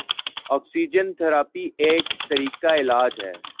oxygen therapy ایک طریقہ علاج ہے